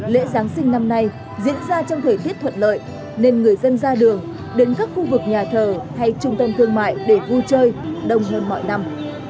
lễ giáng sinh năm nay diễn ra trong thời tiết thuận lợi nên người dân ra đường đến các khu vực nhà thờ hay trung tâm thương mại để vui chơi đông hơn mọi năm